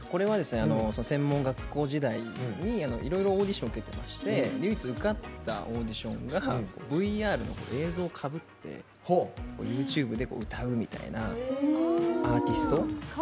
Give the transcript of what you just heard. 専門学校時代にいろいろオーディション受けてまして唯一、受かったオーディションがＶＲの映像をかぶってＹｏｕＴｕｂｅで歌うみたいなアーティスト。